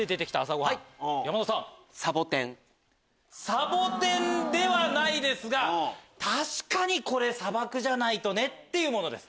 サボテンではないですが確かにこれ砂漠じゃないとね！っていうものです。